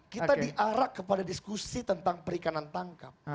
kita diarak kepada diskusi tentang perikanan tangkap